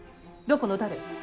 どこの誰。